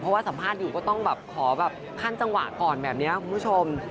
เพราะว่าสัมภาษณ์อยู่ก็ต้องแบบขอแบบขั้นจังหวะก่อนแบบนี้คุณผู้ชม